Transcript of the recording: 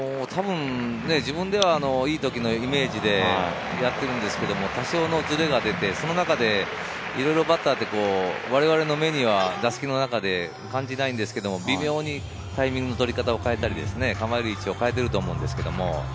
自分ではいい時のイメージでやってるんですけど多少のずれが出て、その中でバッターは我々の目には打席の中で感じないんですけど、微妙にタイミングの取り方を変えたり、構える位置を変えてると思います。